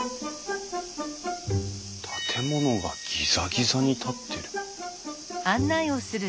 建物がギザギザに立ってる。